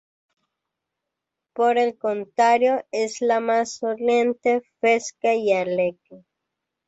Por el contrario, es la más sonriente, fresca y alegre.